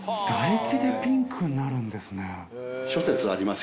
唾液でピンクになるんですね。